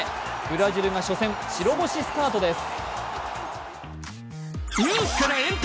ブラジルが初戦、白星スタートです